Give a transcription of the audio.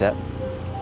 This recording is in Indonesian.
baik pak bos